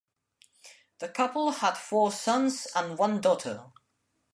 The couple had four sons and one daughter.